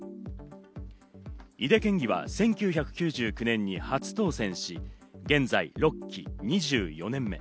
井手県議は１９９９年に初当選し、現在６期２４年目。